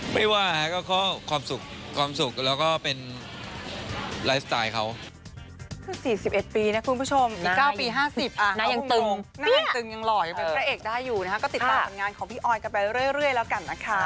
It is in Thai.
ไม่ว่าก็ความสุขความสุขแล้วก็เป็นไลฟ์สไตล์เขา